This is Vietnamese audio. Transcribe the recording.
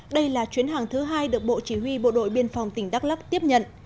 đây là chuyến hàng thứ hai được bộ chỉ huy bộ đội biên phòng tỉnh đắk lắc tiếp nhận